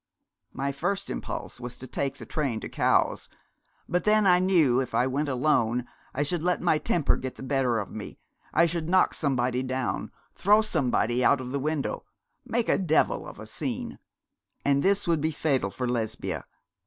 My first impulse was to take the train for Cowes; but then I knew if I went alone I should let my temper get the better of me. I should knock somebody down throw somebody out of the window make a devil of a scene. And this would be fatal for Lesbia.